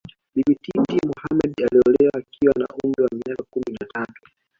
Bibi Titi Mohammed aliolewa akiwa na umri wa miaka kumi na tatu